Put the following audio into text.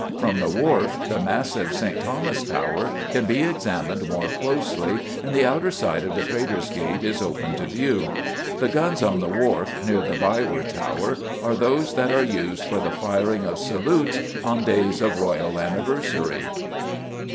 From the Wharf the massive St. Thomas's Tower can be examined more closely and the outer side of the Traitor's Gate is open to view. The guns on the Wharf, near the Byward Tower, are those that are used for the firing of salutes on days of royal anniversary.